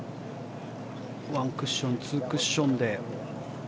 ワンクッションツークッションで。